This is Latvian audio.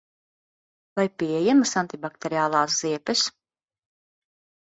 Vai pieejamas antibakteriālās ziepes?